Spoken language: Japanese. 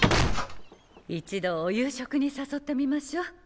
一度お夕食に誘ってみましょう。